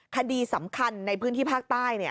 คดีสำคัญในพื้นที่ภาคใต้